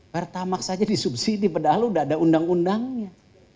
pertamax saja disubsidi padahal sudah ada undang undangnya